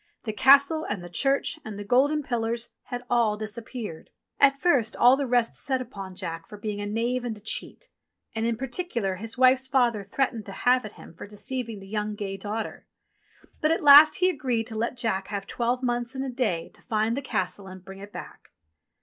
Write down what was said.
the Castle, and the church, and the golden pillars, had all disappeared ! At first all the rest set upon Jack for being a knave and a cheat ; and, in particular, his wife's father threatened to have at him for deceiving the gay young daughter ; but at last he agreed to let Jack have twelve months and a day to find the Castle and bring it back.